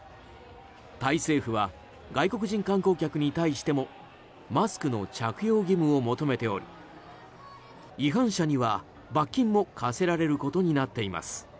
タイ政府は外国人観光客に対してもマスクの着用義務を求めており違反者には罰金も科せられることになっています。